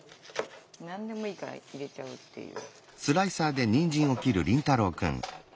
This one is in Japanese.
何でもいいから入れちゃうっていう。